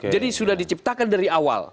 jadi sudah diciptakan dari awal